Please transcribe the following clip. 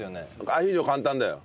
アヒージョ簡単だよ。